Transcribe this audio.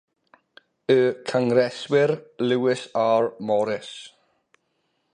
Y Cyngreswr Lewis R. Morris.